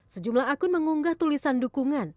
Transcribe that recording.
sejumlah akun mengunggah tulisan dukungan